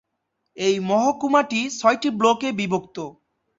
এই মহকুমাটি ছয়টি ব্লকে বিভক্ত।